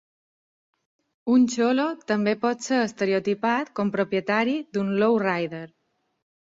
Un "cholo" també pot ser estereotipat com propietari d'un lowrider.